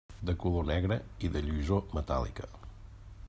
De color negre i de lluïssor metàl·lica.